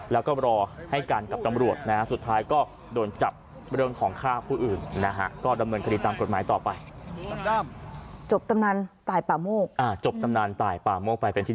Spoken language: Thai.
แล้วก็รอให้กันกับตำรวจตาม